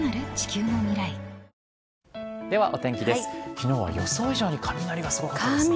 昨日は予想以上に雷がすごかったですね。